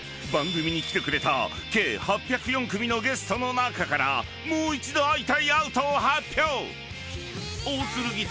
［番組に来てくれた計８０４組のゲストの中からもう一度会いたいアウトを発表！］